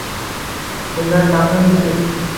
bundan mamnunmisiz?